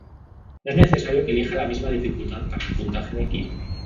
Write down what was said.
No es necesario que elija la misma dificultad para el puntaje de equipo.